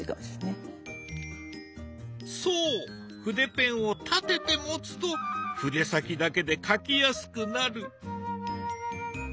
筆ペンを立てて持つと筆先だけで描きやすくなる。